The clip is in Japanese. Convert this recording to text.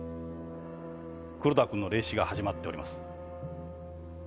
黒田君の霊視が始まっております。